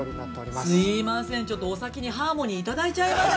◆すいません、お先にハーモニーいただいちゃいました。